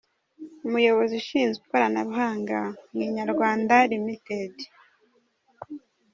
Umuyobozi ushinzwe ikoranabuhanga muri Inyarwanda Ltd,.